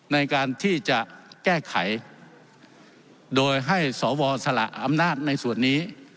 ในการที่จะแก้ไขโดยให้สวสละอำนาจในส่วนนี้